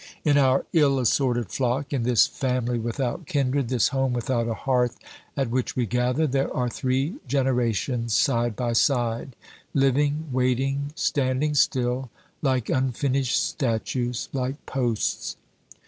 In our ill assorted flock, in this family without kindred, this home without a hearth at which we gather, there are three generations side by side, living, waiting, standing still, like unfinished statues, like posts.